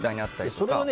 それをね